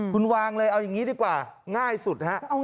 คุณวางเลยเอาอย่างนี้ดีกว่าง่ายสุดฮะ